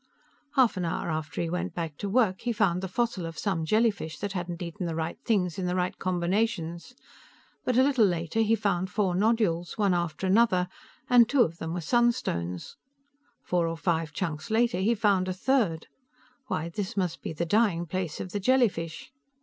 Half an hour after he went back to work, he found the fossil of some jellyfish that hadn't eaten the right things in the right combinations, but a little later, he found four nodules, one after another, and two of them were sunstones; four or five chunks later, he found a third. Why, this must be the Dying Place of the Jellyfish!